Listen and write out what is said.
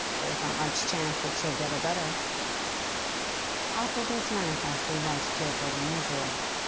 There's not much chance that she'll get a better.' Alfred was manifestly less cheerful than usual.